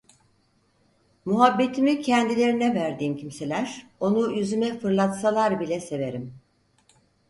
Muhabbetimi kendilerine verdiğim kimseler onu yüzüme fırlatsalar bile severim.